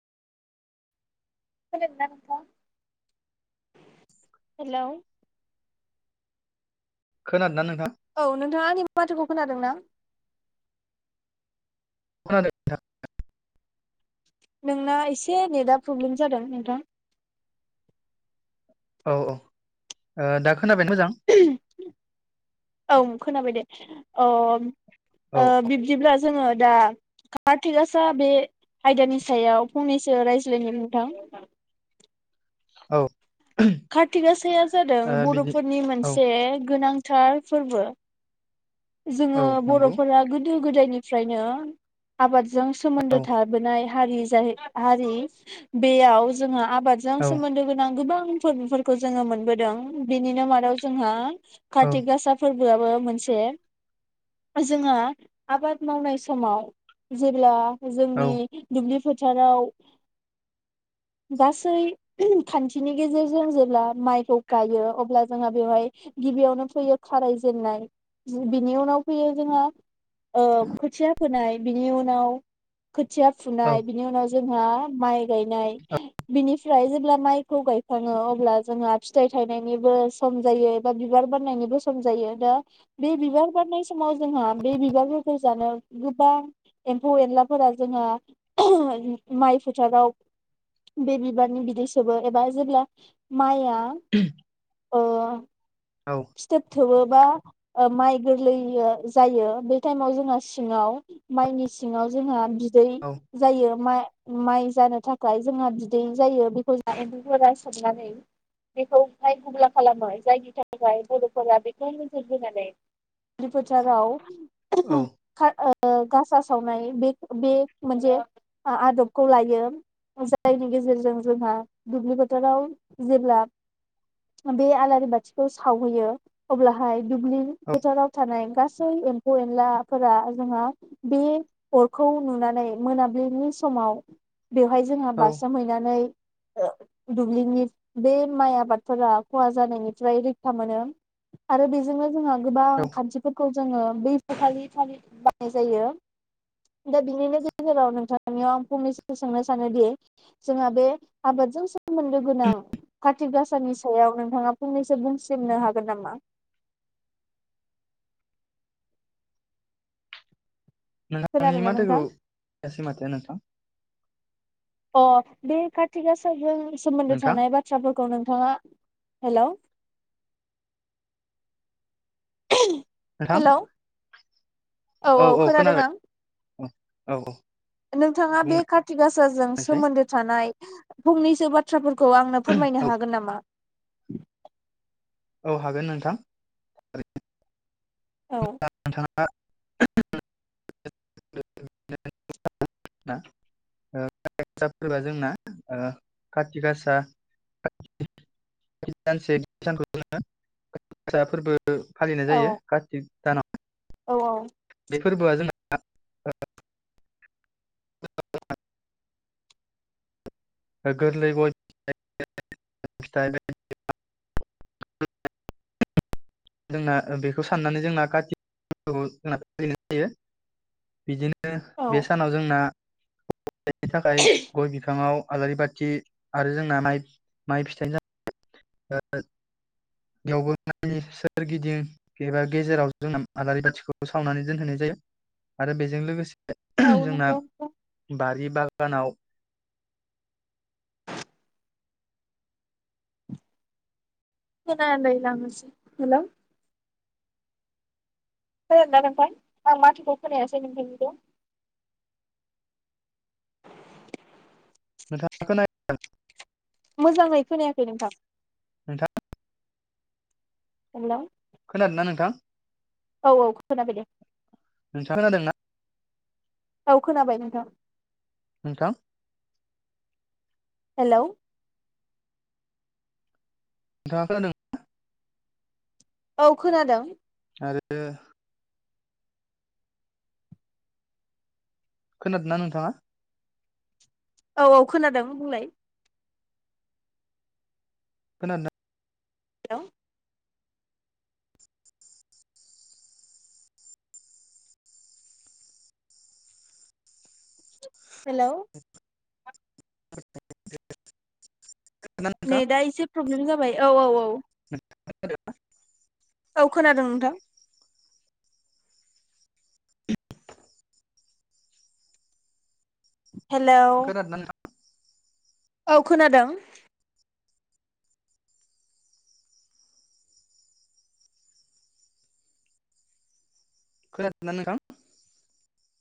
खोनायाखैना नोंथां हेलौ खोनादोना नों औ नोंथाङा आंनि माथोखौ खोनादों ना खोनादों नोंथां नोंना एसे नेटा प्रब्लेम जादों नोंथां औ औ ओ दाख खोनाबाय मोजां औं खोनाबाय दे अम औ ओ बिब्दिब्लाज जोङो दा कार्तिकासा बे आयदानि सायाव फंनैसो रायज्लायनो नोंथां औ कार्तिगासाया जादों बिदि बर'फोरनि औ मोनसे गोनां थार फोरबो जोङो औ नंगौ बर'फोरा गोदो गोदायनिफ्रायनो आबाद जों औ सोमोन्दो थाबोनाय हारि जाहै हारि बेयाव जोंङो आब बादजों औ सोमोन्दो गोनां गोबां फोरखौ जोङो मोनबोदों बिनिनो मादाव जोंहा औ खाथिगासाफोरब र्बोयाबो मोनसे जोंहा आबाद मावनाय समाव जेब्ला औ जोंनि दुब्लिफोर थाराव गासै खान्थिनि गेजेरजों जेब्ला माइखौ गायो अब्ला जोंहा बेवहाय गिबियावनो फैयो खाराय जेननाय बिनि उनाव फैयो जोंहा ओ खोथिया फोनाय बिनि उनाव खोथिया औ फुनाय बिनि उनाव जोंहा माइ गायनाय बिनिफ्राय जेब्ला माइखौ गायखाङो अब्ला जोंहा फिथाइ थायनायनिबो सम जायो एबा बिबार बारनायनिबो सम जायो दा बे बिबार बारनाय समाव जोंहा बे बिबारफोरखौ जानो गोबां एम्फौ एनलाफोरा जोंहा माइ फोथाराव बे बिबारनि बिदै सोबो एबा जेब्ला माइआ उम ओह फिथोब थोबो। गोबां माइ गोरलैयो जायो बे टाइमाव जोंहा सिङाव माइनि सिङाव जोंहा बि दै औ जायो मा माइ जानो थाखाय जोंहा बिदै जायो बेखौ जों एमफौफोरा सोबनानै बेखौ माइ गुगला खालामो जायनि थाखाय बर'फोरा बेखौ नोजोर होनानै माय फोथाराव [unintelligible] ओ गासा सावनाय बे बे मोनसे आदबखौ लायो जायनि गेजेरजों जोंहा दुब्लि फोथोराव जेब्ला बे आलारि बाथिखौ सावहैयो अब्लाहाय दुब्लि फोथाराव थानाय गा सै एम्फौ एनलाफोरा जोंहा बे अरखौ नुनानै मोनाबिलिनि समाव बेवहाय जोंहा बारसोहैनानै दुब्लिनि बे माइ आबादफोरा खहा जानायनिफ्राय रैखा मोनो आरो बे बेजोंनो जोंहा औ गोबां खान्थिफोरखौ जोङो बै फारि फारि बानाय जायो। दा बिनिनो गेजेराव नोंथांनियाव आं फंनैसोसो सोंनो सानोदि जोंहा बे आबादजों सोमोन्दो गोनां कार्तिक गासानि सायाव नोंथाङा फंनैसो बुंसेमनो हागोन नामा? नोंथांनि खोनादोंना माथोखौ नोंथां? खोनायासै माथो नोंथां। अ दे खाथि गासाजों सोमोनदो नोंथां थानाया बाथ्राफोर खौ नोंथाङा हेलौ नोंथां हेलौ। औ औ खोनादों आं औ औ औ नोंथाङा बे कार्ति गाासाजों बुंनायसाय सोमोन्दो थानाय फंनैसो बाथ्राफोर खौ आंनो फोरमायनो औ हागोन नामा? [inaudible] औ हागोन नोंथां थारैनो औ। [unintelligible] फालिनाय औ जायो। कार्टिक दानाव। औ औ बेफोरबोआ जोंना ओह [unintelligible] गोरलै [unintelligible] जोंना ओ बेखौ साननानै जोंना काति [unintelligible] ‌ यो बिदिनो बे औ सानाव जोंना [unintelligible] थाखाय गय बिफाङाव आलारि बाथि आरो जोंना माइ-माइ फिथाइनि [unintelligible] [unintelligible] सोरगिदिं एबा गेजेराव जोंना आलारि बाथिखौ सावनानै दोनहोनाय जायो आरो बेजों लोगोसे औ [unintelligible] जोंना नंगौ बारि बागानाव खोनायाखैदां हेल खोनादोना नोंथां आं माथोखौ खोनायासै नोंथांनिखौ। [unintelligible] मोजाङै खोनायाखै नोंथां। नोंथां हेलौ खोनादो ना नोंथां? औ औ खोनाबाय दे। औ खोनाबाय नोंथां। नोंथां हेलौ। नोंथांआ खोनादों [unintelligible] औ खोनादों। आरो खोनादोना नोंथाङा? औ औ खोनादों बुंलाय। खोनादोना [unintelligible] हेलौ। [inaudible] नोंथां नेटा इसे प्रब्लेम जाबाय औ औ औ। [inaudible] औ खोनादों नोंथां। हेलौ खोनादोंना औ खोनादों। खोनादोना नोंथां?